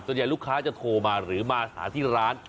ส่วนใหญ่ลูกค้าจะโทรมาหรือมาหาที่ร้าน